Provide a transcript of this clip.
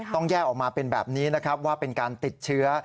ต้องแยกออกมาเป็นแบบนี้นะครับว่าเป็นการติดเชื้อ